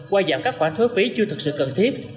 qua giảm các khoản thuế phí chưa thực sự cần thiết